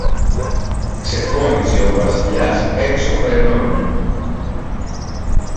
ξεφώνισε ο Βασιλιάς έξω φρενών.